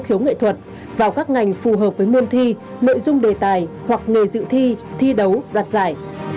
thiếu nghệ thuật vào các ngành phù hợp với môn thi nội dung đề tài hoặc nghề dự thi thi đấu đoạt giải